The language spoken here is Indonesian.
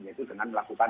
yaitu dengan melakukan